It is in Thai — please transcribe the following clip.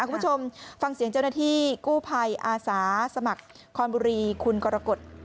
คุณผู้ชมฟังสีเปลี่ยนเจ้านาธิกู้ไพบางกฎอาสาสมัครของคอนบุรีคุณกรกฎ